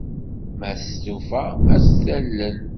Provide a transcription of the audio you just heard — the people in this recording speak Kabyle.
Ma testufa, ad t-talel.